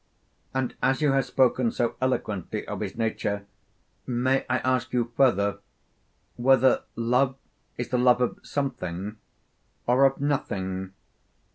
And as you have spoken so eloquently of his nature, may I ask you further, Whether love is the love of something or of nothing?